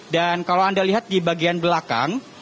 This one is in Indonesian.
dan kalau anda lihat di bagian belakang